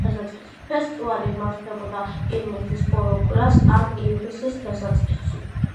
ფესტივალი იმართება ივნისის ბოლო კვირას ან ივლისის დასაწყისში.